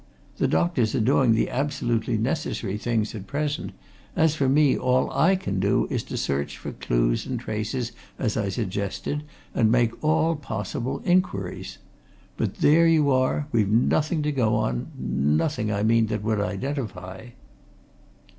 The doctors are doing the absolutely necessary things at present; as for me, all I can do is to search for clues and traces, as I suggested, and make all possible inquiries. But there you are, we've nothing to go on nothing, I mean, that would identify."